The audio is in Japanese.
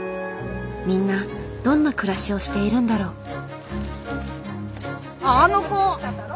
みんなどんな暮らしをしているんだろう？